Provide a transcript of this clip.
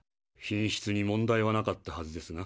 品質に問題はなかったはずですが？